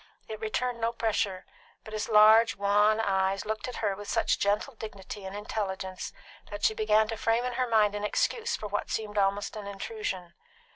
It returned no pressure, but his large, wan eyes looked at her with such gentle dignity and intelligence that she began to frame in her mind an excuse for what seemed almost an intrusion.